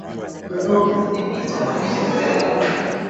Udhibiti wa vijidudu vya magonjwa